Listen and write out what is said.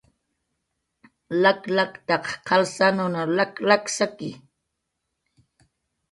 Lak laktaq qalsananw lak lak saki